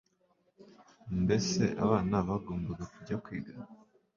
Mbese abana bagombaga kujya kwiga